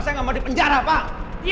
saya nggak mau di penjara pak